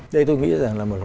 đây tôi nghĩ rằng là